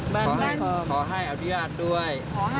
บ้านภอมขอให้อนุญาตด้วย